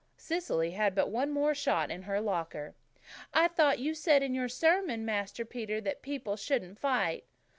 Cecily had but one more shot in her locker. "I thought you said in your sermon, Master Peter, that people shouldn't fight."